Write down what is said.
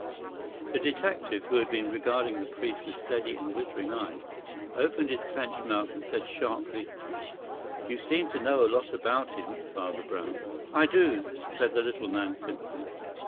The detective, who had been regarding the priest with steady and glittering eyes, opened his clenched mouth and said sharply: "You seem to know a lot about him, Father Brown." "I do," said the little man simply.